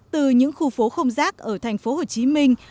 từ những khu phố không rác ở thành phố hồ chí minh